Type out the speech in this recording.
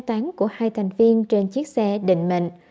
tán của hai thành viên trên chiếc xe định mệnh